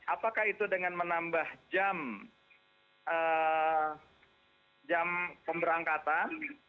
apakah itu dengan menambah jam pemberangkatan